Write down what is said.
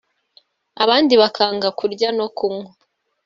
abandi bakanga kurya no kunywa